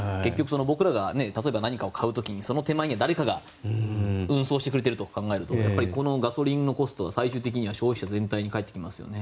僕らが例えば何かを買う時は誰かが運送してくれると考えるとこうしたガソリンのコストは最終的には消費者全体にかえってきますよね。